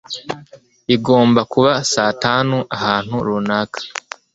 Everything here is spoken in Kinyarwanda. Igomba kuba saa tanu ahantu runaka.